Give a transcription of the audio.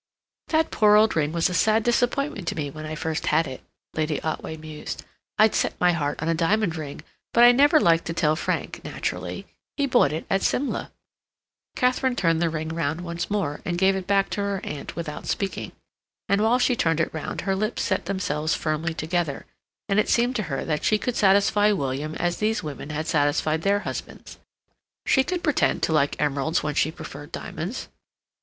"That poor old ring was a sad disappointment to me when I first had it," Lady Otway mused. "I'd set my heart on a diamond ring, but I never liked to tell Frank, naturally. He bought it at Simla." Katharine turned the ring round once more, and gave it back to her aunt without speaking. And while she turned it round her lips set themselves firmly together, and it seemed to her that she could satisfy William as these women had satisfied their husbands; she could pretend to like emeralds when she preferred diamonds.